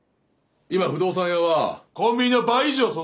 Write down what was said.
今不動産屋はコンビニの倍以上存在する。